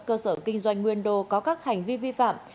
cơ sở kinh doanh nguyên đồ có các hành vi vi phạm